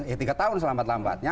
ya tiga tahun selambat lambatnya